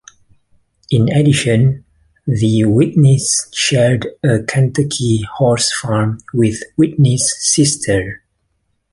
In addition, the Whitneys shared a Kentucky horse farm with Whitney's sister.